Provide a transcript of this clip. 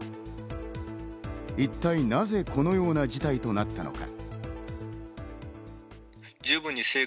一体なぜこのような事態となったのか。